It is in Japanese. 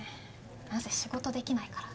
なんせ仕事できないから。